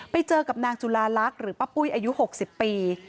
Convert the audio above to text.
ไปเจอกับนางจุลาลักษณ์หรือป้าปุ้ยอายุ๖๐ปี